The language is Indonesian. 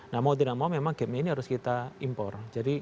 nah mau tidak mau memang game ini harus kita impor